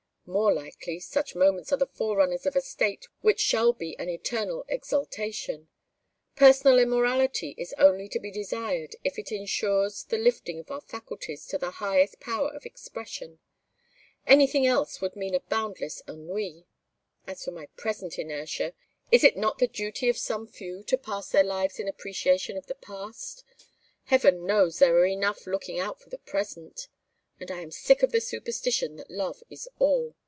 "More likely, such moments are the forerunners of a state which shall be an eternal exaltation. Personal immortality is only to be desired if it insures the lifting of our faculties to their highest power of expression. Anything else would mean a boundless ennui. As for my present inertia, is it not the duty of some few to pass their lives in appreciation of the past? Heaven knows there are enough looking out for the present. And I am sick of the superstition that love is all.